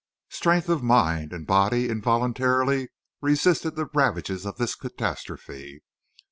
Strength of mind and body involuntarily resisted the ravages of this catastrophe.